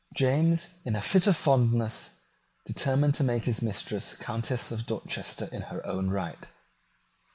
James, in a fit of fondness, determined to make his mistress Countess of Dorchester in her own right.